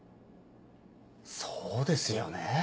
そうですよね。